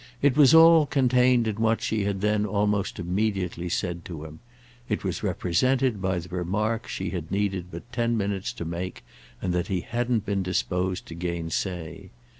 It was all contained in what she had then almost immediately said to him; it was represented by the remark she had needed but ten minutes to make and that he hadn't been disposed to gainsay.